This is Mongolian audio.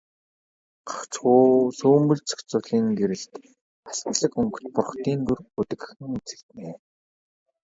Гагцхүү сүүмэлзэх зулын гэрэлд алтлаг өнгөт бурхдын дүр бүдэгхэн үзэгдэнэ.